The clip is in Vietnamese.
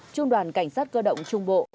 trung đoàn cảnh sát cơ động trung bộ